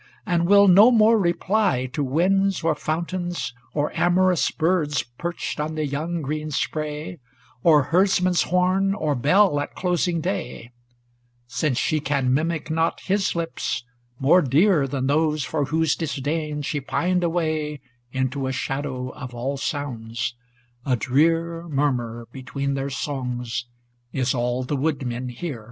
And will no more reply to winds or fountains, Or amorous birds perched on the young green spray, Or herdsman's horn, or bell at closing day; Since she can mimic not his lips, more dear Than those for whose disdain she pined away Into a shadow of all sounds: ŌĆö a drear Murmur, between their songs, is all the woodmen hear.